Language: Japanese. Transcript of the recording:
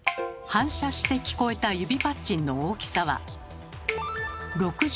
反射して聞こえた指パッチンの大きさは６３ｄＢ。